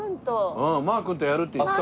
うんマー君とやるって言ってた。